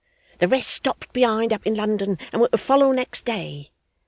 The rest stopped behind up in London, and were to follow next day.